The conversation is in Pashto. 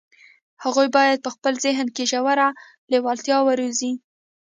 هغوی بايد په خپل ذهن کې ژوره لېوالتیا وروزي.